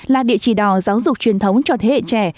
là địa chỉ đỏ giáo dục truyền thống cho thế hệ trẻ